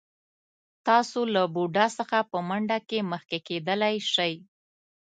تاسو له بوډا څخه په منډه کې مخکې کېدلی شئ.